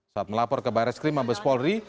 saat melapor ke baris krim mabes polri